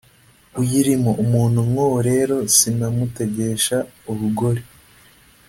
uyirimo umuntu nkuwo rero sinamutegesha urugori